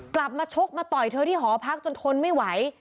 ชกมาต่อยเธอที่หอพักจนทนไม่ไหว